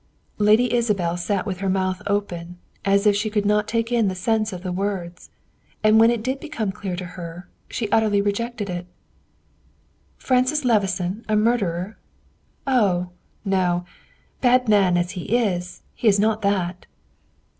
Lady Isabel sat with her mouth open, as if she could not take in the sense of the words; and when it did become clear to her, she utterly rejected it. "Francis Levison a murderer! Oh, no! bad man as he is, he is not that."